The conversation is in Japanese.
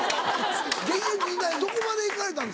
現役時代どこまでいかれたんですか？